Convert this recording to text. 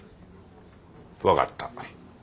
分かった。